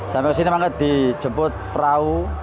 sampai kesini dijemput perahu